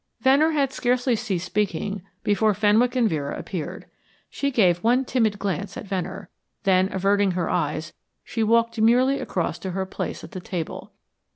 Venner had scarcely ceased speaking before Fenwick and Vera appeared. She gave one timid glance at Venner; then, averting her eyes, she walked demurely across to her place at the table.